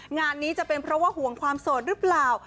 งานนี้จะเป็นเพราะว่าห่วงความโสดหรือเปล่า